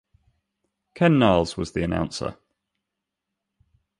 Ken Niles was the announcer.